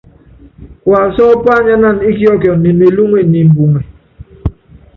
Kuasú pányánana íkiɔkiɔ ne melúŋe niimbuŋɛ.